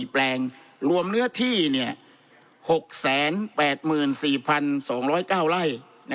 แปลงรวมเนื้อที่๖๘๔๒๐๙ไร่